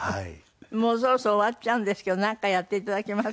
もうそろそろ終わっちゃうんですけどなんかやって頂けます？